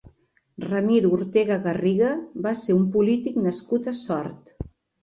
Ramir Ortega Garriga va ser un polític nascut a Sort.